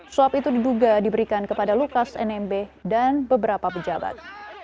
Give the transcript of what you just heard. suap itu diduga diberikan kepada lukas nmb dan beberapa pejabat